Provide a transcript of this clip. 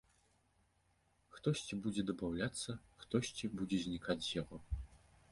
Хтосьці будзе дабаўляцца, хтосьці будзе знікаць з яго.